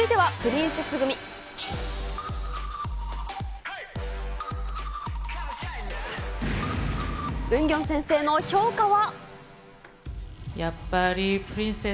ウンギョン先生の評価は？